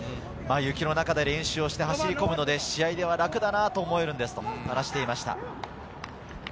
雪の中で練習をして走り込むので試合では楽だなぁと思えるんですと話していました。